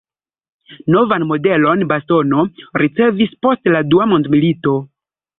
Novan modelon bastono ricevis post la dua mondmilito.